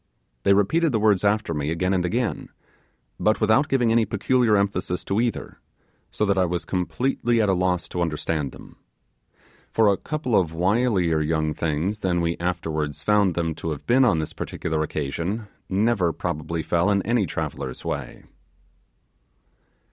They repeated the words after me again and again, but without giving any peculiar emphasis to either, so that I was completely at a loss to understand them; for a couple of wilier young things than we afterwards found them to have been on this particular occasion never probably fell in any traveller's way.